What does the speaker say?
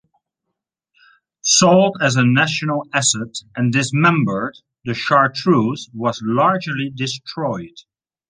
Sold as a national asset and dismembered, the chartreuse was largely destroyed.